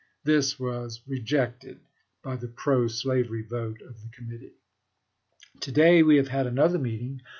This was rejected by the pro slavery vote of the Committee. To day we have had another meeting.